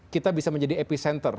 kita bisa menjadi epicenter